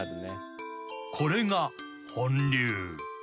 ［これが本流］